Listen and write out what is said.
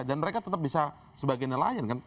dan mereka tetap bisa sebagainya lain kan